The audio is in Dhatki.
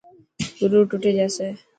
گرور ٽٽي جاسي.